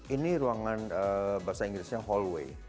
ini ruangan bahasa inggrisnya hallway